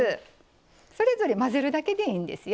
それぞれ混ぜるだけでいいんですよ。